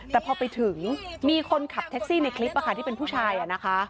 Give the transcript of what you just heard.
แต่พอไปถึงมีคนขับแท็กซี่ในคลิปที่เป็นผู้ชายนะคะ